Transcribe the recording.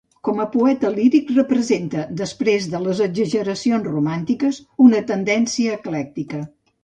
Com a poeta líric representa, després de les exageracions romàntiques, una tendència eclèctica.